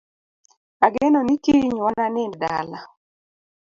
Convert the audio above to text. Ageno ni kiny wananind dala